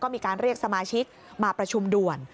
มีการเรียกสมาชิกมาประชุมด่วน